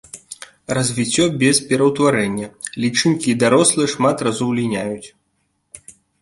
Развіццё без пераўтварэння, лічынкі і дарослыя шмат разоў ліняюць.